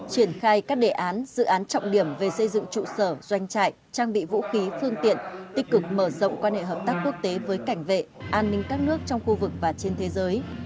triển khai các đề án dự án trọng điểm về xây dựng trụ sở doanh trại trang bị vũ khí phương tiện tích cực mở rộng quan hệ hợp tác quốc tế với cảnh vệ an ninh các nước trong khu vực và trên thế giới